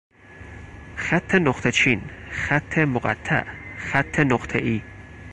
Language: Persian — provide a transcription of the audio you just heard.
خط نقطهچین، خط مقطع، خط نقطهای